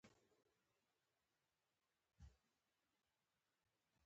دا ټکی تر راتلونکي سرلیک لاندې راځي.